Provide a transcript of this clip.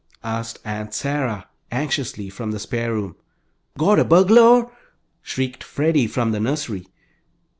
asked Aunt Sarah, anxiously, from the spare room. "Got a burgulor?" shrieked Freddie, from the nursery.